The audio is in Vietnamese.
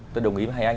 tôi đồng ý với hai anh